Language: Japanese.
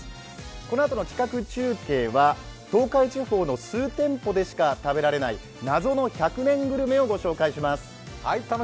このあとの企画中継は、東海地方の数店舗でした食べられない謎の１００年グルメを紹介します。